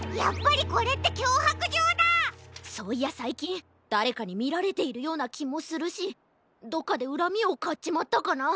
そういやさいきんだれかにみられているようなきもするしどっかでうらみをかっちまったかな？